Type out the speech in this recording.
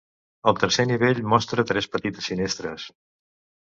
El tercer nivell mostra tres petites finestres.